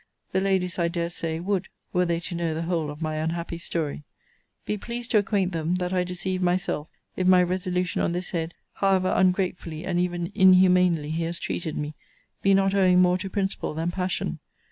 The ladies, I dare say, would, were they to know the whole of my unhappy story. Be pleased to acquaint them that I deceive myself, if my resolution on this head (however ungratefully and even inhumanely he has treated me) be not owing more to principle than passion.